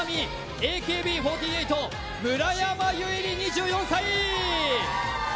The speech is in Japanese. ＡＫＢ４８村山彩希２４歳！